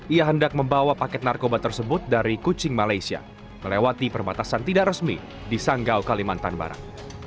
ia hendak membawa paket narkoba tersebut dari kucing malaysia melewati perbatasan tidak resmi di sanggau kalimantan barat